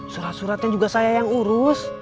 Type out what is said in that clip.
surat suratnya juga saya yang urus